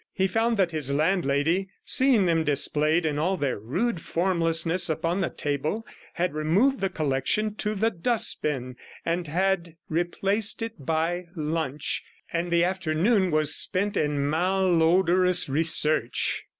He found that his landlady, seeing them displayed in all their rude formlessness upon the table, had removed the collection to the dustbin, and had replaced it by lunch; and the afternoon was spent in malodorous research.